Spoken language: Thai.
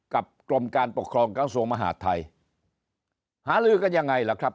กรมการปกครองกระทรวงมหาดไทยหาลือกันยังไงล่ะครับ